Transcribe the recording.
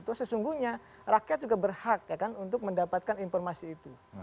atau sesungguhnya rakyat juga berhak ya kan untuk mendapatkan informasi itu